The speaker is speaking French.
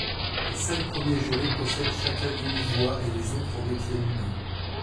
Les cinq premiers jurés possèdent chacun une voix et les autres en détiennent deux.